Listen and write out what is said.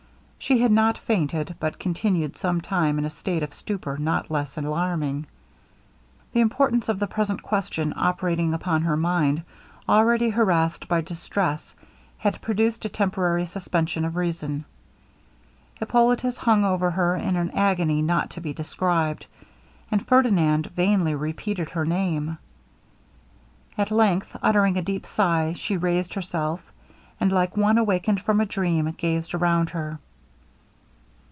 She had not fainted, but continued some time in a state of stupor not less alarming. The importance of the present question, operating upon her mind, already harassed by distress, had produced a temporary suspension of reason. Hippolitus hung over her in an agony not to be described, and Ferdinand vainly repeated her name. At length uttering a deep sigh, she raised herself, and, like one awakened from a dream, gazed around her.